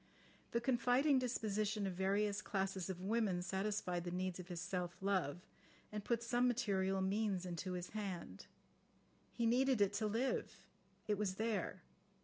The confiding disposition of various classes of women satisfied the needs of his self love, and put some material means into his hand. He needed it to live. It was there.